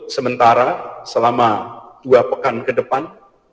sementara selama dua pekan ke depan